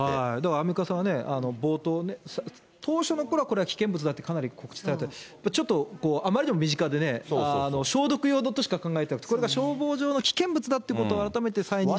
アンミカさんはね、冒頭ね、当初のころは危険物だってかなり告知されて、ちょっとあまりにも身近でね、消毒用のことしか考えてなくて、これが消防上の危険物だってことを、改めて再認識する。